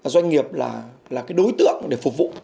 doanh nghiệp là cái đối tượng để phục vụ